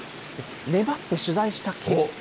粘って取材した結果。